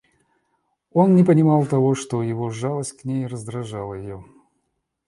Он не понимал того, что его жалость к ней раздражала ее.